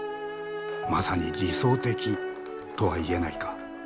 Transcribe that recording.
「まさに理想的」とは言えないか？